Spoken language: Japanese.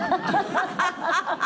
「ハハハハ！」